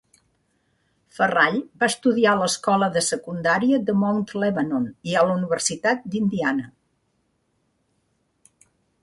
Ferrall va estudiar a l'escola de secundària de Mount Lebanon i a la Universitat d'Indiana.